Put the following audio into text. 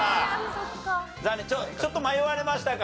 残念ちょっと迷われましたか？